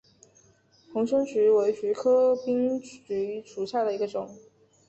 黄胸鹬为鹬科滨鹬属下的一个种。